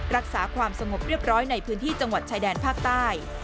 รักษาความสงบเรียบร้อยในพื้นที่จังหวัดชายแดนภาคใต้